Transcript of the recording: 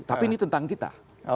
tapi ini tentang kita